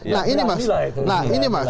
nah ini mas nah ini mas